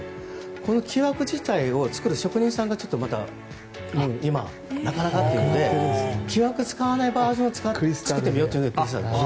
この木枠自体を作る職人さんが今、なかなかいなくて木枠を使わないバージョンを作ってみようということで。